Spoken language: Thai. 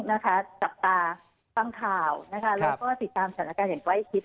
นะคะจับตาฟังข่าวนะคะแล้วก็ติดตามสถานการณ์อย่างใกล้ชิด